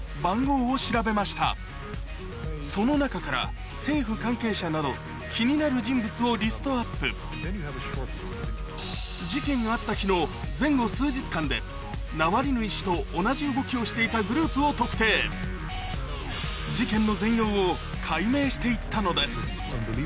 その中から政府関係者など気になる人物をリストアップ事件があった日の前後数日間でナワリヌイ氏と同じ動きをしていたグループを特定事件の全容を解明して行ったのです